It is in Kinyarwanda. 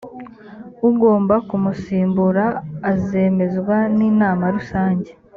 ugomba kumusimbura azemezwa n inama rusange